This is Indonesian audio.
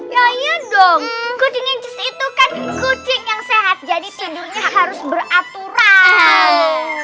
ya iya dong kucing incis itu kan kucing yang sehat jadi tidurnya harus beraturan